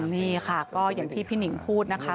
นี่ค่ะก็อย่างที่พี่หนิงพูดนะคะ